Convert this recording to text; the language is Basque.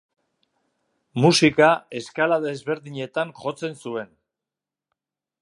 Musika eskala desberdinetan jotzen zuen.